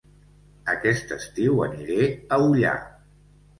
Aquest estiu aniré a Ullà